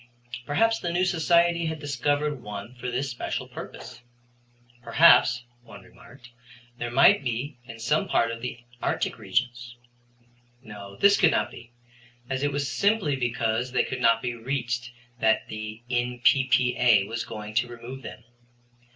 Perhaps the new Society had discovered one for this special purpose. Perhaps, one remarked, they might be in some part of the arctic regions. No, this could not be, as it was simply because they could not be reached that the N.P.P.A. was going to remove them.